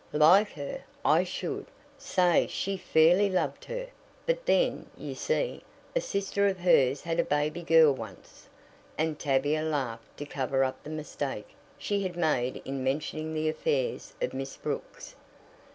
"Like her? I should, say she fairly loved her, but then, you see, a sister of hers had a baby girl once," and Tavia laughed to cover up the mistake she had made in mentioning the affairs of Miss Brooks.